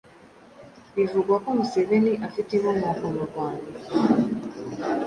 Bivugwa ko Museveni afite inkomoko mu Rwanda,